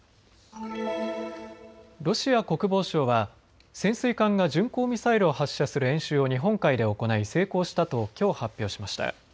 ロシア国防省は潜水艦が巡航ミサイルを発射する演習を日本海で行い成功したときょう発表しました。